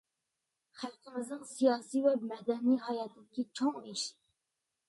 خەلقىمىزنىڭ سىياسىي ۋە مەدەنىي ھاياتىدىكى چوڭ ئىش.